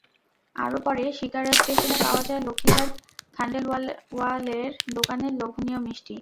আরও পরে শিকারা স্টেশনে পাওয়া যায় লক্ষ্মী চাঁদ খাণ্ডেলওয়ালের দোকানের লোভনীয় মিষ্টি।